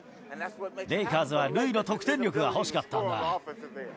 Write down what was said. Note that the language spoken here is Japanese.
レイカーズはルイの得点力が欲しかったんだ。